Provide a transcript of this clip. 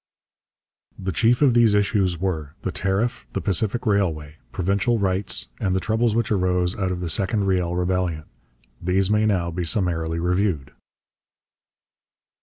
The chief of these issues were: the Tariff, the Pacific Railway, Provincial Rights, and the troubles which arose out of the second Riel Rebellion. These may now be summarily reviewed.